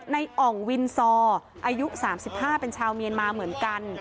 อ่องวินซออายุ๓๕เป็นชาวเมียนมาเหมือนกัน